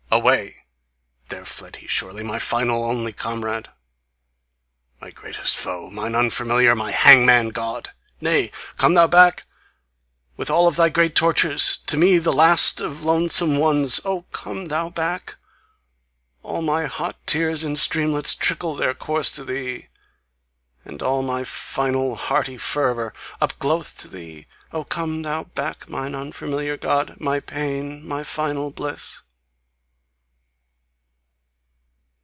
Away! There fled he surely, My final, only comrade, My greatest foe, Mine unfamiliar My hangman God!... Nay! Come thou back! WITH all of thy great tortures! To me the last of lonesome ones, Oh, come thou back! All my hot tears in streamlets trickle Their course to thee! And all my final hearty fervour Up glow'th to THEE! Oh, come thou back, Mine unfamiliar God! my PAIN! My final bliss!